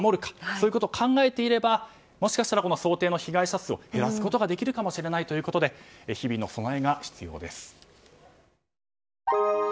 そういうことを考えていればもしかしたら想定の被害者数を減らすことできるかもしれないということで日々の備えが必要です。